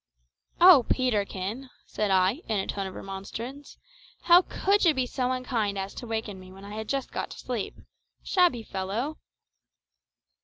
"O Peterkin," said I, in a tone of remonstrance, "how could you be so unkind as to waken me when I had just got to sleep? Shabby fellow!"